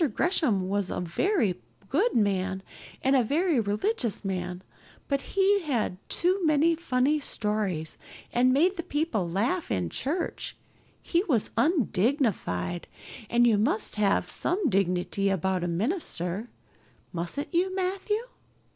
Gresham was a very good man and a very religious man, but he told too many funny stories and made the people laugh in church; he was undignified, and you must have some dignity about a minister, mustn't you, Matthew?